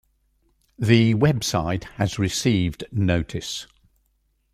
The web site has received notice.